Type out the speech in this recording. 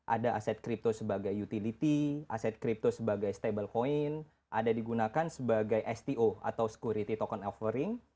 ada aset kripto sebagai utility aset kripto sebagai stable coin ada digunakan sebagai sto atau security token offering